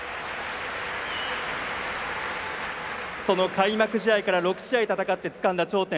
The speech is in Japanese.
開幕試合から６試合戦ってつかんだ頂点。